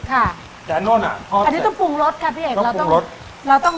ค่ะแต่อันนั้นอ่ะอันนี้ต้องปรุงรสค่ะพี่เอกต้องปรุงรสเราต้อง